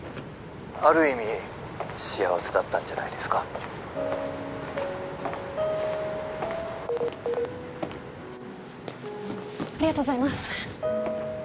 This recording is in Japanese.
☎ある意味幸せだったんじゃないですかありがとうございます